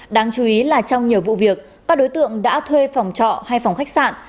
đáng chú ý là trong nhiều vụ việc các đối tượng đã thuê phòng trọ hay phòng khách sạn